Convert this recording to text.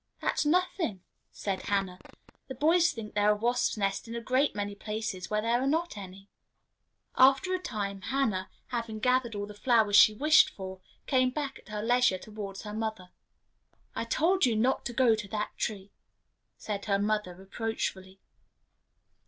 "That's nothing," said Hannah; "the boys think there are wasps' nests in a great many places where there are not any." After a time Hannah, having gathered all the flowers she wished for, came back at her leisure towards her mother. "I told you not to go to that tree," said her mother, reproachfully.